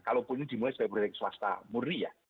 kalaupun ini dimulai sebagai proyek swasta murni ya